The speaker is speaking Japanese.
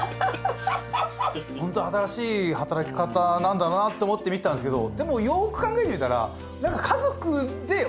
ホントに新しい働き方なんだなと思って見てたんですけどでもよく考えてみたら。